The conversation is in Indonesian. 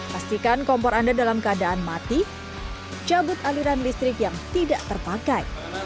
pastikan kompor anda dalam keadaan mati cabut aliran listrik yang tidak terpakai